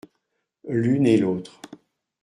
L’une et l’autre.